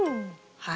はい。